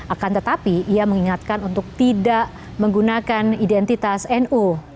akan tetapi ia mengingatkan untuk tidak menggunakan identitas nu